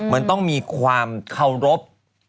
มันต้องมีความเคารพ